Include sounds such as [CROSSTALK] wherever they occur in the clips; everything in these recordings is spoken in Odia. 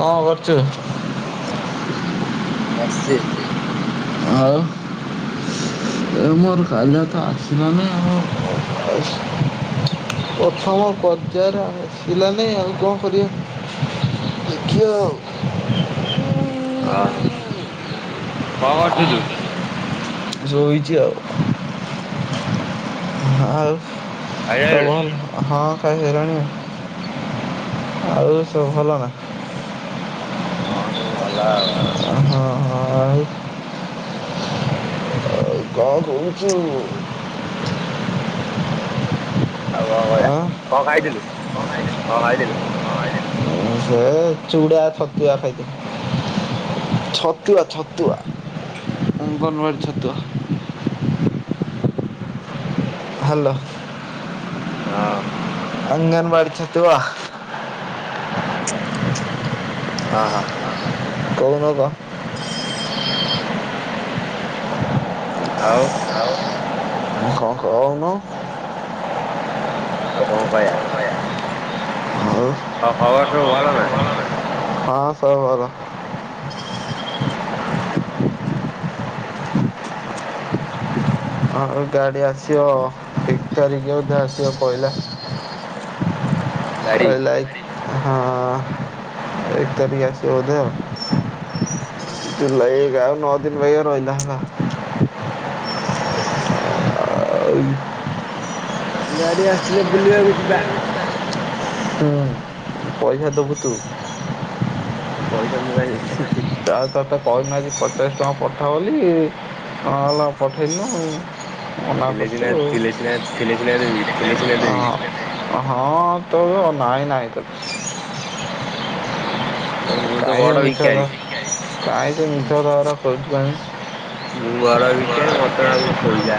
କଁଅହବ? [UNINTELLIGIBLE] ବସ୍ଚି। ଆଉ ଏ ମୋର କାଲି ତ ଆସିଲାନି ଆଉ ପ୍ରଥମ ପର୍ଯ୍ୟାୟରେ ଆସିଲାନି ଆଉ କଣ କରିବା ଦେଖିବା ଆଉ। [UNINTELLIGIBLE] କ କରୁଥିଲୁ? ଶୋଇଛି ଆଉ। ଆଉ। ଖାଇସାଇଲୁଣି? [UNINTELLIGIBLE] ଖାଇଲାଣି। ଆଉ ସବୁ ଭଲ ନା? ହଁ ସବୁ ଭଲ ଆଉ। ହଁ ଆଉ? କ କହୁଛୁ? ଆଁ କଁଅ ଖାଇଥିଲୁ କଁଅ ଖାଇଥିଲୁ? ସେ ଚୁଡା ଛତୁଆ ଖାଇଦ ଛତୁଆ ଛତୁଆ ଅଙ୍ଗନାବାଡ଼ି ଛତୁଆ। ହ୍ୟାଲୋ। ହଁ ଅଙ୍ଗନବାଡ଼ି ଛତୁଆ। ଓ ହୋ। କହୁନ କ? ଆଉ? ମୁଁ କଣ କହୁନ? ଆଉକଣ କଇବା? ହଉ ଖବର ସବୁ ଭଲ ନା? ହଁ ସବୁ ଭଲ। ଓହୋ ଆଁ ଗାଡି ଆସିବ ଏକ ତାରିଖବୋଧେ ଆସିବ କହିଲା। ଗାଡି କହିଲାଇକ। ହଁ ଏକ ତାରଖ ଆସିିବବୋଧେ ଜୁଲଇ ନଅ ଦିନ ବ ରହିଲ ହେଲା। ହୁଁ ଆଉ। ଗାଡି ଆସିଲେ ବୁଲିବାକୁ ଯିବା। ହୁଁ ପଇସା ଦେବୁ ତୁ। ପଇସା ମୁଁ କାଇଁ ଦେ। ତା ତ କ ନା ପଚାଶ ଟଙ୍କା ପଠା ବୋଲି ହେଲା ପଠେଇଲୁନୁ। ମନା ଥିଲେ କରଛୁ ସିନା ଥିଲେ ସିନା ଥିଲେ ସିନା ଦେବି ଥିଲେ ସିନା ଦେବି। ହଁ ହଁ। ତ ନାଇଁ ନହିଁ ତ। ମୁଁ ତ କାଇ ସେ ବଡ ମିଚାର ଭିକାରୀ କାଇ ତ ମିଛ କଥା ଗୁରା କହୁଛୁକାଇଁ। ମୁଁ ଘର ଭିକାରି ମତେ ମାଗୁଛି ପଇସା।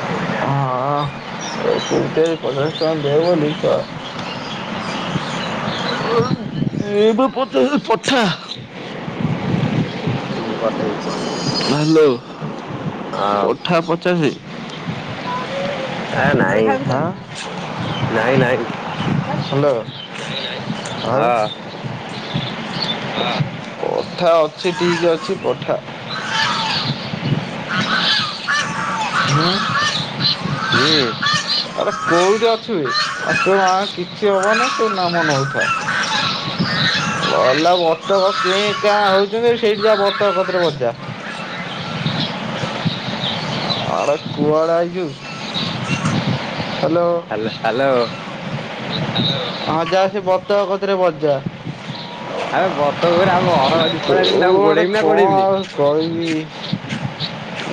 ହଁ ପଚାଷ ଟଙ୍କାଦେ ବୋଲି। ହୁଁ। ଏବେ ପଚାଷ ପଠା। ହୁଁ ବେ ପଠେଇବୁ। ହାଲୋ ହଁ ପଠା ପଚାଶେ। କା ନାଇଁ ହଁ ନାଇଁ ନାଇଁ। [UNINTELLIGIBLE] ହ୍ୟାଲୋ ଆଁ ଆ। ହଁ କଥା ଅଛି ଠିକ ଅଛି ପଠା। ହୁଁ। ହୁଁ। ଆରେ କୋଉଠି ଅଛୁ ବେ ଆଉ ତୋ ମା କିଛି ହବନି ତୋ ନାମ ନଉଥା ଗଲା ବତକ କେ କାଁ ହଉଛନ୍ତି ସେଇଠି ଯା ବତକ କତିରେ ବସିଯା। ଆଡେ କୁଆଡେ ଆଇଛୁ। ହ୍ୟାଲୋ। ହାଲୋ ହାଲୋ ହା ହ୍ୟାଲୋ ହଁ ଯା ସେ ବତକ କତିରେ ବସିଜା। ଆରେ ବତକ ପରା ଆମ ଘର କତିକି ତୁ ପଳେଇ ଆସିଛନ୍ତି ତାକୁ ଗୋଡେଇବି ନା ଗୋଡେଇବିନି।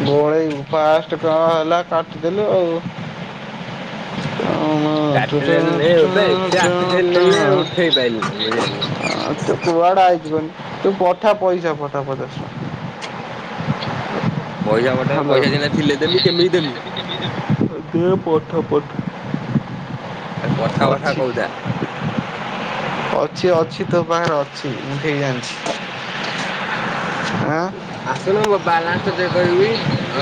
ଗୋଳେଇବୁ। ଫାଷ୍ଟ କଣ ହେଲା କାଟିଦେଲୁ ଆଉ [INAUDIBLE] କାଟିଦେଲେ ଓଦା ଏତେ କାଟିଦେଲେ ଉଠେଇ ପାଇଲିନି ବୁଝିଲୁ। [UNINTELLIGIBLE] ତୁ କୁଆଡେ ଆଇ ତୁ ପଠା ପଇସା ପଠା ପଚାଶ ଟଙ୍କା। ପଇସା ପଠେଇବି ହ୍ୟାଲୋ। ପଇସା ସିନା ଥି ଥିଲେ ଦେମି କେମିତି ଦେମି। [UNINTELLIGIBLE] ପଠା ପଠା [INAUDIBLE] [UNINTELLIGIBLE] ପଠା ପଠା ଅଛି। କଉଥା। ଅଛି ଅଛି ତୋ ପାଖରେ ଅଛି ମୁଁ ଠିକ୍ ଜାଣି [INAUDIBLE] ଆଁ। ଆସୁନ ମୋ ବାଲାନ୍ସ ଟା ଚେକ୍ କରିବି।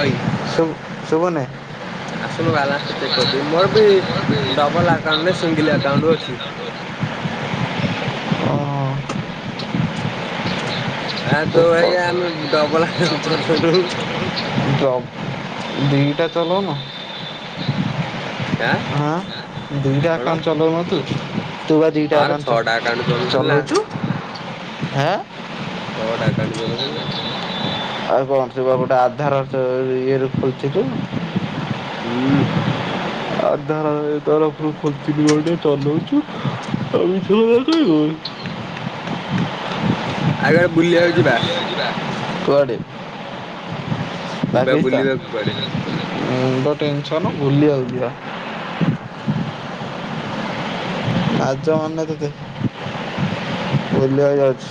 ଅଇ ଶୁଭୁ ଶୁଭୁନି ଆସୁନୁ ବାଲାନ୍ସ ଟା ଚେକ୍ ଡବଲ କରିଦେବି। ମୋର ବି ଆକାଉଣ୍ଟରେ ସେ ଡବଲ ପିଲା ଆକାଉଣ୍ଟ ନାହିଁ ସିଙ୍ଗଲ ଆକାଉଣ୍ଟ ଅଛି। [INAUDIBLE] ଆ ତୋ ବାଗିଆ ଆମେ ଡବଲ ଆକାଉଣ୍ଟ ଚଲଉନୁ। ଦିଟା ଚଲଉନ ଆଁ ହାଁ ଦିଟା କଣ? ଆକାଉଣ୍ଟ ଚଲଉନ ତୁ, ତୁ ବା ଦିଟା ହଁ ରେ ଆକାଣ୍ଟ ଛଅଟା ଆକାଉଣ୍ଟ ଚ ଚଲଉଥିଲି ନା ଚଲଉଛୁ। ହାଁ। ଛଅ ଟା ଆକାଉଣ୍ଟ ଚଲ [INAUDIBLE] ଆଉ କଣ ସିଏବା ଗୋଟେ ଆଧାର [UNINTELLIGIBLE] ହୁଁ। [UNINTELLIGIBLE] ଆଜ୍ଞା ବୁଲିିବାକୁ ଯିବା। କୁଆଡ଼େ? ଯିବା ପାକିସ୍ତାନ। ବୁଲିବାକୁ କୁଆଡେ ମୁଣ୍ଡ ଟେନସନ ବୁଲଆକୁ ଯିବା। ଆ ଜ ମନା ତତେ ବୁଲିବାକୁ ଯାଉଛୁ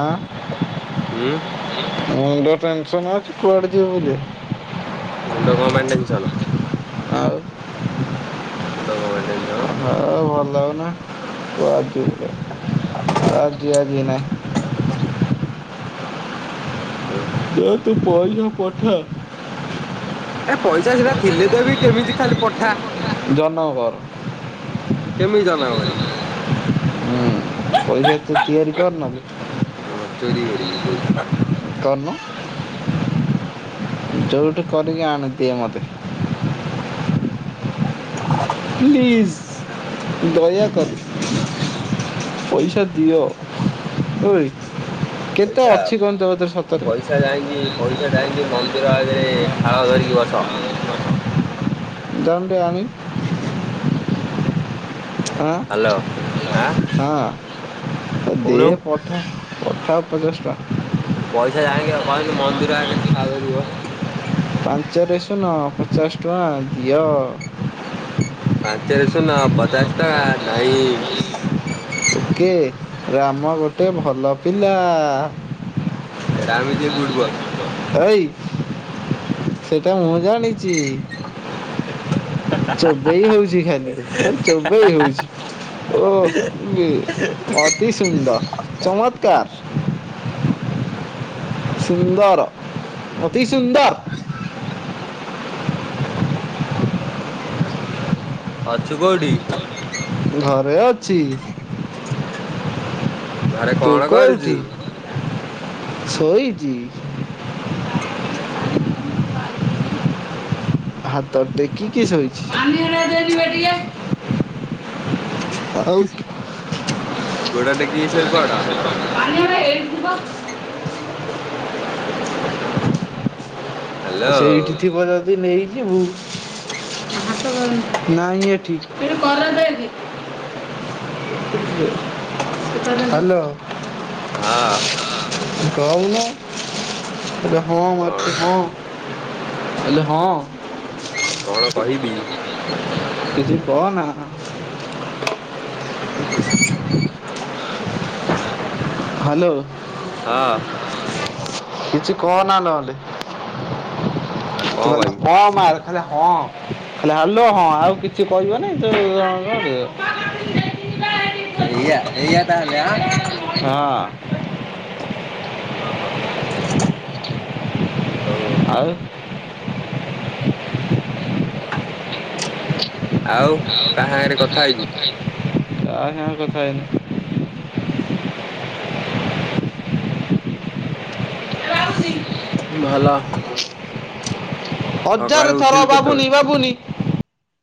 ଆ। ହୁଁ। ମୋ ମୁଣ୍ଡ ଟେନସନ ଅଛି କୁଆଡେ ଯିବ ବୋଲି ମୁଣ୍ଡ କଣ ପାଇଁ ଟେନସନ ଆଉ ମୁଣ୍ତ କଣ ତେମସେଟନ ହ ଭଲ ଲାଗନା। ଗ ଆଜିି [UNINTELLIGIBLE] ଆଜିି ନାହିଁ। ଓହୋ [UNINTELLIGIBLE] ପଠା। ଏ ପଇସା ସିନା ଥିଲେ ଦେବି କେମିତି ଖାଲି ପଠା ଜନମ କର କେମିତି ଜନମ କରିବି। ହୁଁ ପଇସା ତୁ ତିଆରି କରେ ନହେଲେ। ହଁ ଚୋରି କରିବି କୋଉଠି? କରିନୁ ଯୋଉଠି କରିକି ଆଣି ଦି ଏ ମୋତେ? ହୁଁ। ପ୍ଲିଜ୍। ଦୟା କରି ପଇସା ଦିଅ। କେତେ ପଇସା ଅଛି କହୁନୁ ତୋ ପାଖରେ ସତରେ। ପଇସା ଯାଇକି ପଇସା ଯାଇଁକି ମନ୍ଦିର ଆଗରେ ଥାଳ ଧରିକି ବସ। ଦଣ୍ଡ ଆଣି ଆଁ ହ୍ୟାଲୋ ଆଁ ହଁ ଦେ କହୁନୁ ପଠା କଠା। ଅଗଷ୍ଟ। ପଇସା ଆଇକି କହିଲି ମନ୍ଦିର ଆଗରେ ଥାଳ ଧରିକି ବସେ। ପାଞ୍ଚରେ ଶୁନ ପଚାଶ ଟଙ୍କା ଦିଅ। ପାଞ୍ଚରେ ଶୁନ ପଚାଶ ଟଙ୍କା ନାଇଁ। ଓକେ ରାମ ଗୋଟେ ଭଲ ପିଲା। Ram is a good boy. ଏଇ ସେଇଟା ମୁଁ ଜାଣିଛି। [UNINTELLIGIBLE] ଚୋବେଇ ହଉଛି ଖାଲି ଚୋବେଇ ହଉଛି ଓ ଅତି ସୁନ୍ଦର ଚମତ୍କାର। ସୁନ୍ଦର ଅତି ସୁନ୍ଦର। ଅଛୁ କୋଉଠି? ଘରେ ଅଛି। ଘରେ ତୁ କଣ କରୁଛୁ? କୋଉଠି? ଶୋଇଛି। ଓହୋ। ହାତ ଟେକିକି ଶୋଇଛି। ଆଉ ଗୋଡ ଟେକି କି ଶୋଇପଡ। ହେଇଥିବ [INAUDIBLE] ହ୍ୟାଲୋ ସେଇଟି ଥିବ ଯଦି ନେଇ [UNINTELLIGIBLE] ନାଇଁ ଏଠି ହାଲୋ ହଁ। କହୁନୁ [INAUDIBLE] କଣ [UNINTELLIGIBLE] ହେଲେ ହଁ [INAUDIBLE] କଣ କହିବି? କନା ହିଁ ହିଁ। ହାଲୋ। ହଁ କିଛି କହନା ନହେଲେ। ଆଉ ତୁ କଣ ଖାଲି କହିମି? ହଁ ମାର ଆରେ ହଁ ଖାଲି ହାଲୋ ହଁ ଆଉ କିଛି କହିବନି [UNINTELLIGIBLE] ଏଇଆ ତୁ ଏଇଆ ତାହେଲେ ଆଁ ହଁ [INAUDIBLE] ଓ ହୋ [INAUDIBLE] ଆଉ। ଆଉ କା ସାଙ୍ଗରେ କଥା ହେଇଛୁ? କା ସାଙ୍ଗରେ ହେଇନି। ହୁଁ। ହେଇନି। ଭଲ। ହଜାର ସକାଳୁ ଥର ଉଠିଲୁ କେତେବେଳେ? ବାବୁନି ବାବୁନି